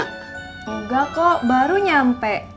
enggak kok baru nyampe